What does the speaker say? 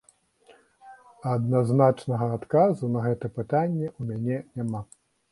Адназначнага адказу на гэтае пытанне ў мяне няма.